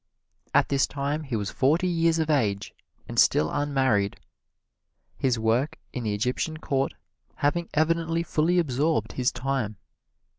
At this time he was forty years of age, and still unmarried, his work in the Egyptian Court having evidently fully absorbed his time.